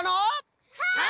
はい！